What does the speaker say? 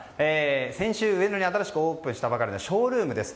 先週、上野に新しくオープンしたばかりのショールームです。